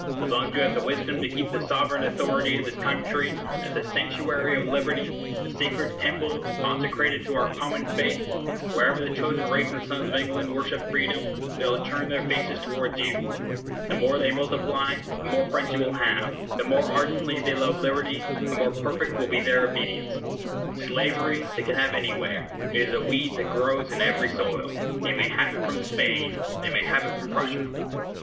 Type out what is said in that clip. As long as you have the wisdom to keep the sovereign authority of this country as the sanctuary of liberty, the sacred temple consecrated to our common faith, wherever the chosen race and sons of England worship freedom, they will turn their faces towards you. The more they multiply, the more friends you will have; the more ardently they love liberty, the more perfect will be their obedience. Slavery they can have anywhere it is a weed that grows in every soil. They may have it from Spain; they may have it from Prussia.